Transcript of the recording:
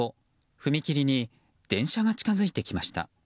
踏切に電車が近づいてきました。